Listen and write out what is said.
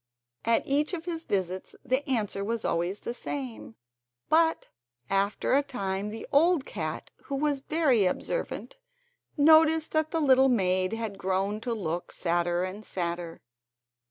At each of his visits the answer was always the same; but after a time the old cat, who was very observant, noticed that the little maid had grown to look sadder and sadder.